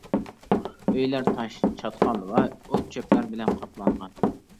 ئۆيلەر تاش، چاتقال ۋە ئوت-چۆپلەر بىلەن قاپلانغان.